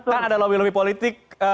kan ada lomi lomi politik